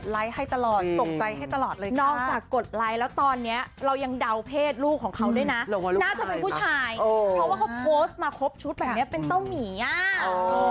ไลน์แล้วตอนนี้เรายังเดาเพศลูกของเขาด้วยนะน่าจะเป็นผู้ชายเพราะว่าเขาโพสต์มาครบชุดแบบนี้เป็นเต้าหมีอ่ะ